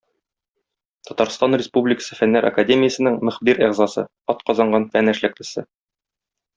Татарстан Республикасы Фәннәр академиясенең мөхбир әгъзасы, атказанган фән эшлеклесе.